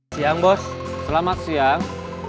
siang bos selamat siang